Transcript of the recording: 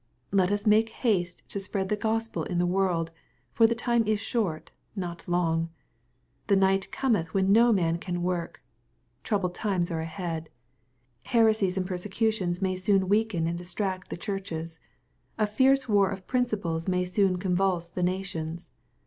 Let us make haste to spread the Gospel in the world, for the time is shorty not fo/jgr. ^The night cometh when no man can work. Troublous times are ahead. Heresies and persecutions may soon weaken and distract the churches. A fierce war of principles may soon convulse the nations.